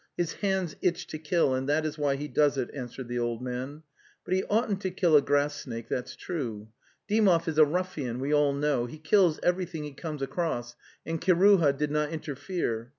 His hands itch to kill, and that is why he does it," answered the old man; " but he oughtn't' to) killa) enass snake, that's true. (20. Dymov is a ruffian, we all know, he kills everything he comes across, and Kiruha did not interfere.